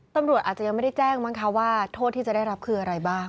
ตำรวจอาจจะยังไม่ได้แจ้งมั้งคะว่าโทษที่จะได้รับคืออะไรบ้าง